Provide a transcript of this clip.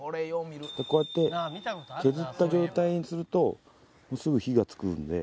こうやって削った状態にするとすぐ火がつくんで。